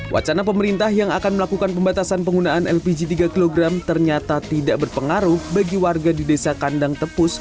wacana pemerintah yang akan melakukan pembatasan penggunaan lpg tiga kg ternyata tidak berpengaruh bagi warga di desa kandang tepus